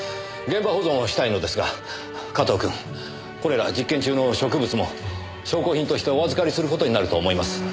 現場保存をしたいのですが加藤君これら実験中の植物も証拠品としてお預かりする事になると思います。